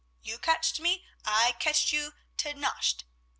You catched me, I catched you to nacht.